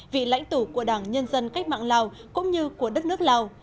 vị lãnh tụ của đảng nhân dân cách mạng lào cũng như của đất nước lào